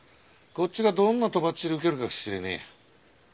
こっちがどんなとばっちり受けるか知れねえ。